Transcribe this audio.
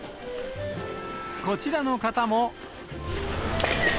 こちらの方も。